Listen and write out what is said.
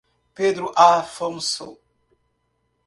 Pedro Afonso